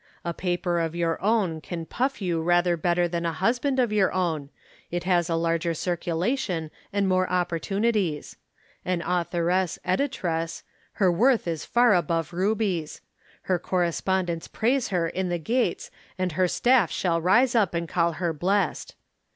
A paper of your own can puff you rather better than a husband of your own, it has a larger circulation and more opportunities. An authoress editress, her worth is far above rubies! Her correspondents praise her in the gates and her staff shall rise up and call her blessed.